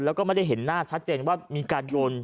แล้วก็ไม่ได้เห็นหน้าชัดเจนว่ามีการโยน